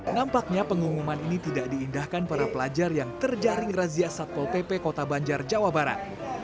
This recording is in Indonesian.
nampaknya pengumuman ini tidak diindahkan para pelajar yang terjaring razia satpol pp kota banjar jawa barat